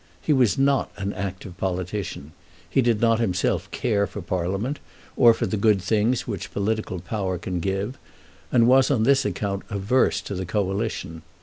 He was not an active politician. He did not himself care for Parliament, or for the good things which political power can give, and was on this account averse to the Coalition.